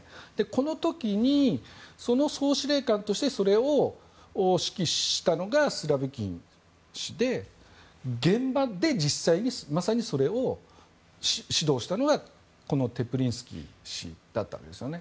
この時に、その総司令官としてそれを指揮したのがスロビキン氏で現場で、実際にまさにそれを指導したのはこのテプリンスキー氏だったわけですよね。